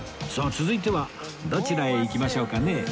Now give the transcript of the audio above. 続いてはどちらへ行きましょうかね？